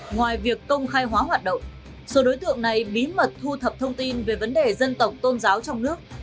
ngoài việc công khai hóa hoạt động số đối tượng này bí mật thu thập thông tin về vấn đề dân tộc tôn giáo trong nước